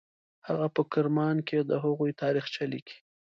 هغه په کرمان کې د هغوی تاریخچه لیکي.